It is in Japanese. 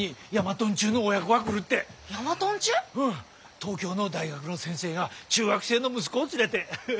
東京の大学の先生が中学生の息子を連れて。